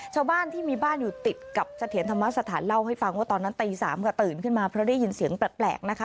ชาวบ้านที่มีบ้านอยู่ติดกับเสถียรธรรมสถานเล่าให้ฟังว่าตอนนั้นตี๓ก็ตื่นขึ้นมาเพราะได้ยินเสียงแปลกนะคะ